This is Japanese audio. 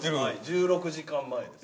◆１６時間前です。